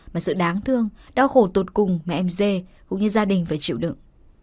mà sự đáng thương đau khổ tột cùng mẹ em dê cũng như gia đình phải chịu đựng